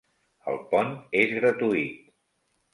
El pont és gratuït.